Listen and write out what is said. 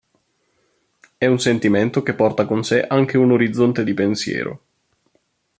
È un sentimento che porta con sé anche un orizzonte di pensiero.